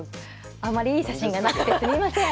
あまりいい写真がなくてすみません。